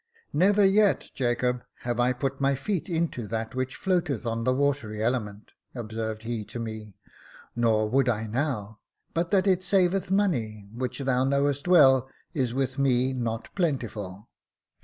" Never yet, Jacob, have I put my feet into that ■which floateth on the watery element," observed he to me ; "nor would I now, but that it saveth money, which thou knowest well is with me not plentiful.